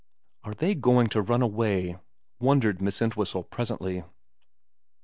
' Are they going to run away ?' wondered Miss Entwhistle presently.